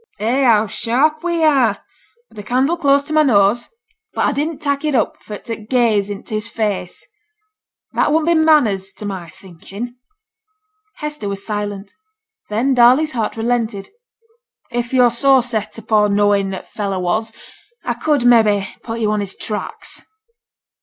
'Eh! how sharp we are! A'd a candle close to my nose. But a didn't tak' it up for to gaze int' his face. That wouldn't be manners, to my thinking.' Hester was silent. Then Darley's heart relented. 'If yo're so set upo' knowing who t' fellow was, a could, mebbe, put yo' on his tracks.'